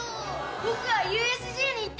僕はＵＳＪに行って。